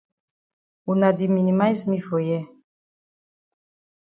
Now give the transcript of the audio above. Wuna di minimize me for here.